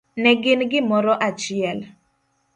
Ne gin gimoro achiel